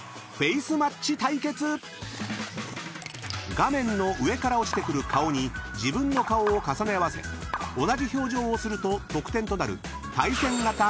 ［画面の上から落ちてくる顔に自分の顔を重ね合わせ同じ表情をすると得点となる］